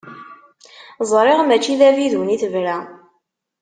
Ẓriɣ mačči d abidun i tebɣa.